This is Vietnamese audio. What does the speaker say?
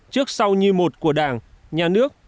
trước sau như một của đảng nhà nước